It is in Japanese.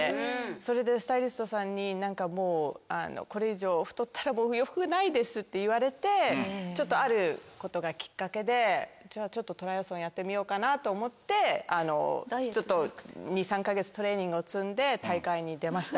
それでスタイリストさんにこれ以上太ったら洋服がないですって言われてあることがきっかけでじゃちょっとトライアスロンやってみようかなと思ってちょっと２３か月トレーニングを積んで大会に出ました。